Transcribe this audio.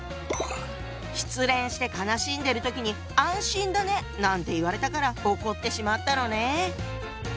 失恋して悲しんでる時に「安心だね！」なんて言われたから怒ってしまったのね。